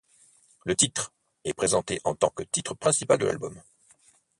Le titre ' est présenté en tant que titre principal de l'album.